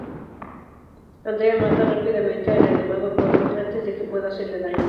Andrea mata rápidamente al reanimado Coleman antes de que pueda hacerle daño.